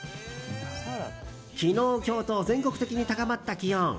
昨日、今日と全国的に高まった気温。